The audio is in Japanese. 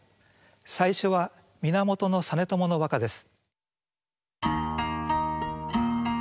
最初は源実朝の和歌です。